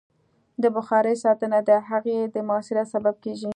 د بخارۍ ساتنه د هغې د مؤثریت سبب کېږي.